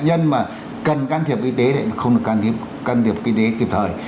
nhưng mà cần can thiệp y tế thì không được can thiệp kỳ tế kịp thời